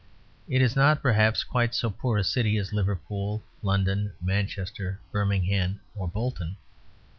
It is not, perhaps, quite so poor a city as Liverpool, London, Manchester, Birmingham, or Bolton.